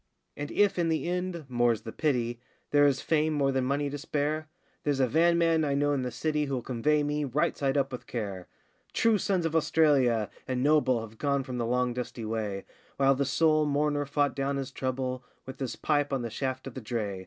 And if, in the end more's the pity There is fame more than money to spare There's a van man I know in the city Who'll convey me, right side up with care. True sons of Australia, and noble, Have gone from the long dusty way, While the sole mourner fought down his trouble With his pipe on the shaft of the dray.